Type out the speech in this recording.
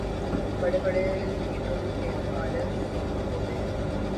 بڑے بڑے لیڈروں کے مخالف ہوتے ہیں۔